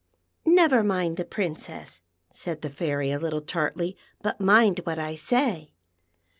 " Never mind the Princess," said the Fairy a little tartly; "but mind what I say.